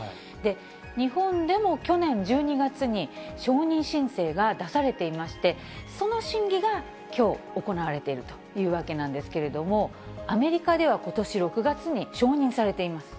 日本でも去年１２月に、承認申請が出されていまして、その審議がきょう、行われているというわけなんですけれども、アメリカではことし６月に承認されています。